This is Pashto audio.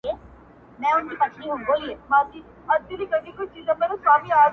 پاچا که د جلاد پر وړاندي، داسي خاموش وو,